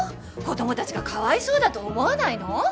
子供たちがかわいそうだと思わないの？